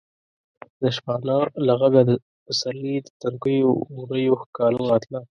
د شپانه له غږه د پسرلي د تنکیو ورویو ښکالو راتله.